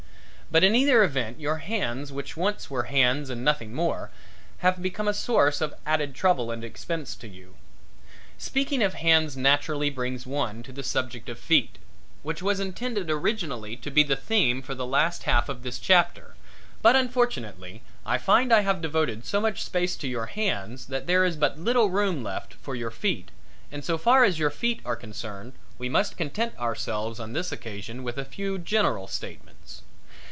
But in either event your hands which once were hands and nothing more, have become a source of added trouble and expense to you. Speaking of hands naturally brings one to the subject of feet, which was intended originally to be the theme for the last half of this chapter, but unfortunately I find I have devoted so much space to your hands that there is but little room left for your feet and so far as your feet are concerned, we must content ourselves on this occasion with a few general statements.